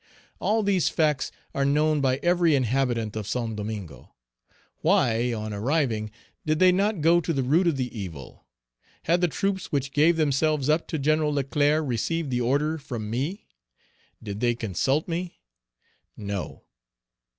All these facts are known by every inhabitant of St. Domingo. Why, on arriving, did they not go to the root of the evil? Had the troops which gave themselves up to Gen. Leclerc received the order from me? Did they consult me? No.